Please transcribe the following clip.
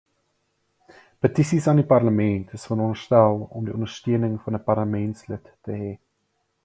Petisies aan die Parlement is veronderstel om die ondersteuning van 'n Parlementslid te hê.